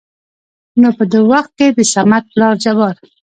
نو په د وخت کې دصمد پلار جبار